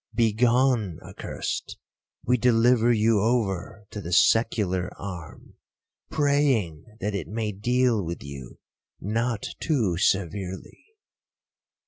Begone, accursed, we deliver you over to the secular arm, praying that it may deal with you not too severely.'